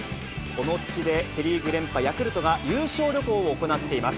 この地で、セ・リーグ連覇、ヤクルトが優勝旅行を行っています。